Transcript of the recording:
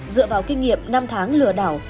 dựa vào kinh nghiệm năm tháng lừa đảo